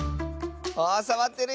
あさわってるよ。